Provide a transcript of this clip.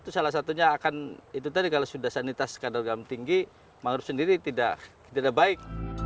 itu salah satunya akan itu tadi kalau sudah sanitasi kadar gam tinggi mangrove sendiri tidak baik